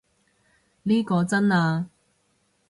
呢個真啊